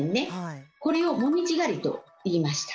これを「もみじ狩り」と言いました。